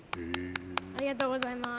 ありがとうございます。